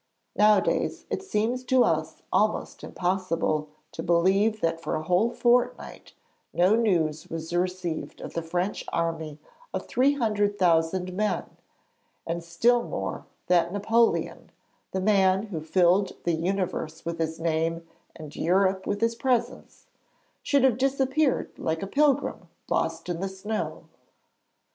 Nowadays it seems to us almost impossible to believe that for a whole fortnight no news was received of the French Army of 300,000 men, and still more that Napoleon, 'the man who filled the universe with his name and Europe with his presence,' should have disappeared like a pilgrim lost in the snow.